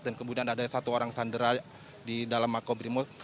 dan kemudian ada satu orang sandera di dalam makobrimob